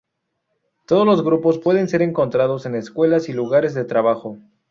Todos los grupos pueden ser encontrados en escuelas y lugares de trabajo.